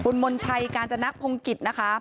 คุณมนชัยกาญจนพงกิจนะคะ